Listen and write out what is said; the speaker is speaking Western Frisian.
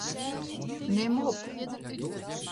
Nim op.